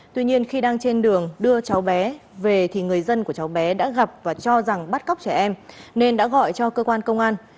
tuy nhiên khi đang trên đường đưa cháu bé về thì người dân của cháu bé đã gặp và cho rằng bắt cóc trẻ em nên đã gọi cho cơ quan công an